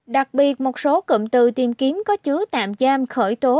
đặc biệt một số cụm từ tìm kiếm có chứa tạm giam khởi tố